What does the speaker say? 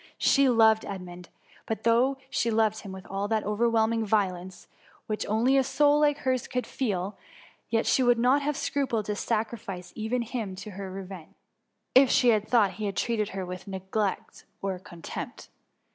She loved Edmund, but though Bhe loved him with all that overwhelming violence^ which only a soul like hers could feel, yet she would not have scrupled to sacrifice even him to her revenge, if she had thought he treated her with negligence or contempt.